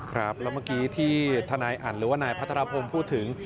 ครับแล้วเมื่อกี้ที่ทนายอันหรือว่านายพัทรพงศ์พูดถึง